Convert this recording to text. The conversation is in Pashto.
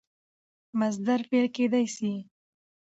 مصدر مفعول کېدای سي.